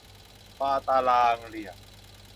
วาตารางเหลี่ยม